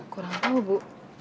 kurang tau bu